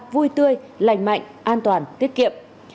vui tươi lành mạnh an toàn tiết kiệm